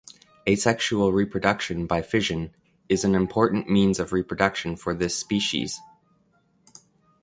Asexual reproduction by fission is an important means of reproduction for this species.